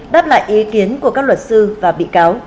đáp lại ý kiến của các luật sư và bị cáo